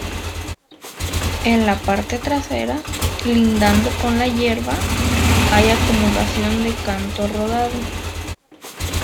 En la parte trasera, lindando con la hierba, hay acumulación de canto rodado.